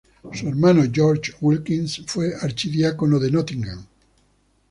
Su hermano George Wilkins fue archidiácono de Nottingham.